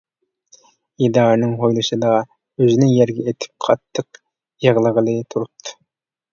ئىدارىنىڭ ھويلىسىدا ئۆزىنى يەرگە ئېتىپ قاتتىق يىغلىغىلى تۇرۇپتۇ.